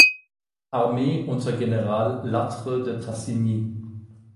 Armee unter General Lattre de Tassigny.